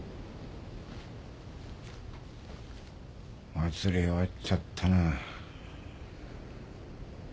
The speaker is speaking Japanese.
祭り終わっちゃったな。